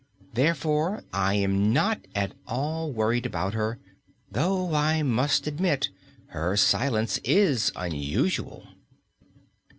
Therefore I am not at all worried about her, though I must admit her silence is unusual."